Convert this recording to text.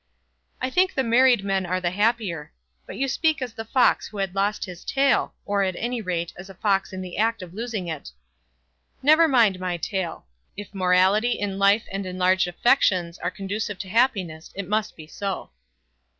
"I think the married men are the happier. But you speak as the fox who had lost his tail; or, at any rate, as a fox in the act of losing it." "Never mind my tail. If morality in life and enlarged affections are conducive to happiness it must be so."